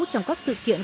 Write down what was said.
trong các sự kiện